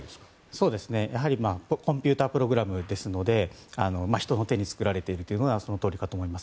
やはりコンピュータープログラムですので人の手で作られているというのはそのとおりかと思います。